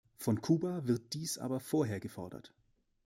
Von Kuba wird dies aber vorher gefordert.